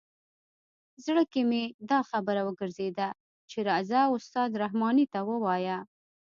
زړه کې مې دا خبره وګرځېده چې راځه استاد رحماني ته ووایه.